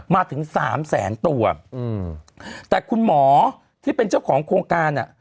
มาถึงสามแสนตัวอืมแต่คุณหมอที่เป็นเจ้าของโครงการอ่ะ